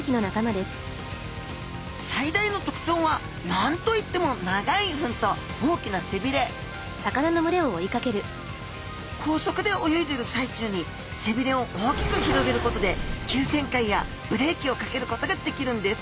最大のとくちょうは何と言っても長い吻と大きな背びれ高速で泳いでいる最中に背びれを大きく広げることで急旋回やブレーキをかけることができるんです。